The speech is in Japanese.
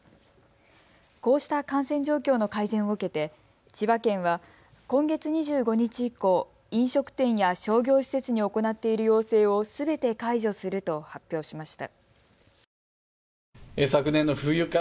こうした感染状況の改善を受けて千葉県は今月２５日以降、飲食店や商業施設に行っている要請をすべて解除すると発表しました。